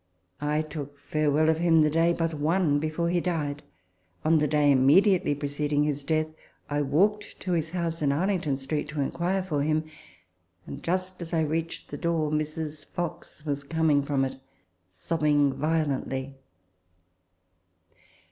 I took farewell of him the day but one before he died. On the day immediately preceding his death, I walked to his house in Arlington Street to inquire for him ; and, just as I reached the door, Mrs. Fox was coming from it, sobbing violently.